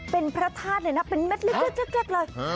เป็นพระธาตุเลยนะเป็นเม็ดเล็กเลย